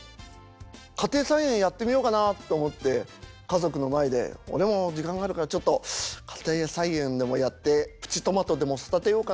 家庭菜園やってみようかなと思って家族の前で「俺も時間があるからちょっと家庭菜園でもやってプチトマトでも育てようかな」